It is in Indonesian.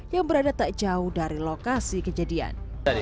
yang berada tak jauh dari lokasi kejadian